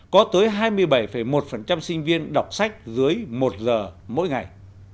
có tới hai mươi bảy một sinh viên đọc sách dưới một giờ mỗi ngày